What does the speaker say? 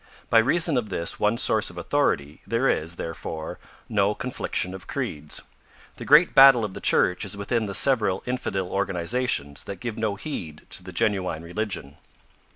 By reason of this one source of authority, there is, therefore, no confliction of creeds. The great battle of the Church is with the several infidel organizations that give no heed to the genuine religion.